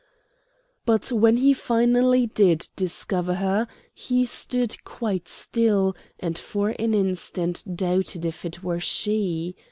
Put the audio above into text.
But when he finally did discover her he stood quite still, and for an instant doubted if it were she.